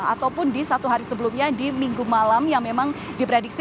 ataupun di satu hari sebelumnya di minggu malam yang memang diprediksi